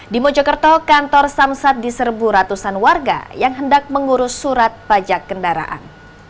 di mojokerto kantor samsat diserbu ratusan warga yang hendak mengurus surat pajak kendaraan